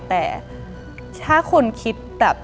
แต่ถ้าคุณคิดแบบ